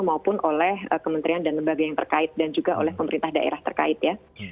maupun oleh kementerian dan lembaga yang terkait dan juga oleh pemerintah daerah terkait ya